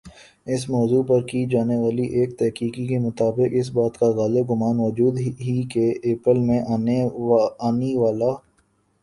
اس موضوع پر کی جانی والی ایک تحقیق کی مطابق اس بات کا غالب گمان موجود ہی کہ اپریل میں آنی والا